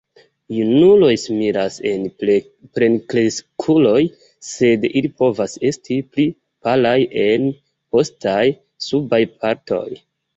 Junuloj similas al plenkreskuloj, sed ili povas esti pli palaj en postaj subaj partoj.